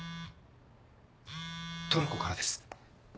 トラコからです。